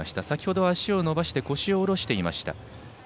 先ほどは足を伸ばして腰を下ろしていました。